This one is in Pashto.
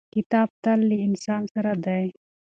کتاب تل له انسان سره دی.